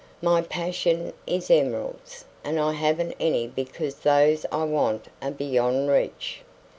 My passion is emeralds; and I haven't any because those I want are beyond reach.